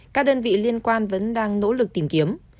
các đơn vị liên quan vẫn đang nỗ lực tìm kiếm